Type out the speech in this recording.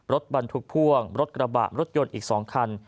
รถบรรทุกพ่วงรถกระบะรถยนต์อีก๒คัน